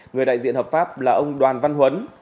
người đại diện hợp pháp là ông đoàn văn huấn